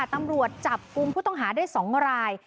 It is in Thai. ตำรวจจับกุมผู้ต้องหาได้๒ราย